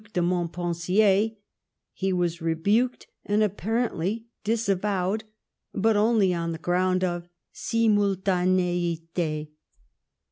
de Montpensier, he was rebuked, and apparently dis avowedy bnt only on the ground of simultaniite.